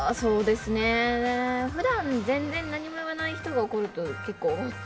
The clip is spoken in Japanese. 普段、全然何も言わない人が怒ると結構、おっ！